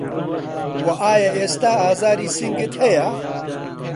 وه ئایا ئێستا ئازاری سنگت هەیە